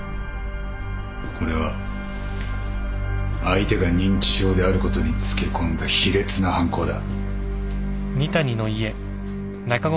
これは相手が認知症であることにつけ込んだ卑劣な犯行だ。